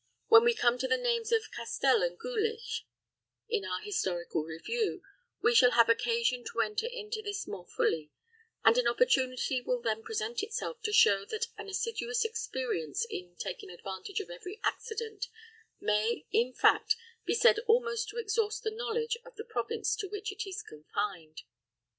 When we come to the names of Castel and Gülich, in our historical review, we shall have occasion to enter into this more fully, and an opportunity will then present itself to show that an assiduous experience in taking advantage of every accident may, in fact, be said almost to exhaust the knowledge of the province to which it is confined.